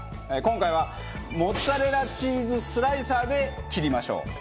今回はモッツァレラチーズスライサーで切りましょう。